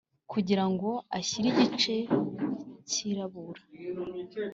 kugira ngo ashyire igice cyirabura